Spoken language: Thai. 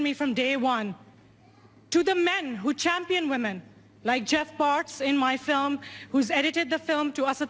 เป็นหญิงต่างธิบราศาสน้ำและเรียนไม่ออกมาก